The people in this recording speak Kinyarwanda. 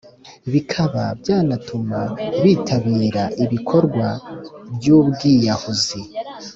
bikaba byanatuma bitabira ibikorwa by'ubwiyahuzi.